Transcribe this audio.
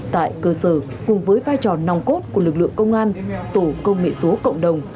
tại cơ sở cùng với vai trò nòng cốt của lực lượng công an tổ công nghệ số cộng đồng